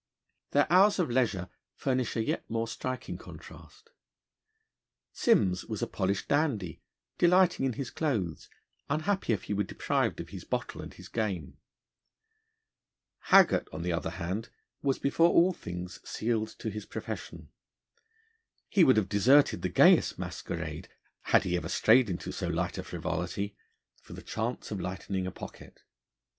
Their hours of leisure furnish a yet more striking contrast. Simms was a polished dandy delighting in his clothes, unhappy if he were deprived of his bottle and his game. Haggart, on the other hand, was before all things sealed to his profession. He would have deserted the gayest masquerade, had he ever strayed into so light a frivolity, for the chance of lightening a pocket.